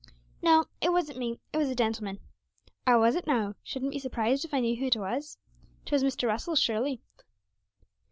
'No, it wasn't me; it was a gentleman.' 'Ah, was it now? Shouldn't be surprised if I knew who it was! 'Twas Mr. Russell, surely!